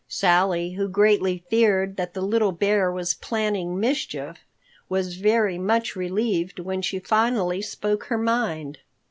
Sally, who greatly feared that the little bear was planning mischief, was much relieved when she finally spoke her mind.